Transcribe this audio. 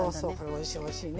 おいしいおいしい。ね。